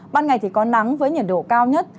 ban ngày thì có nắng với nhiệt độ cao nhất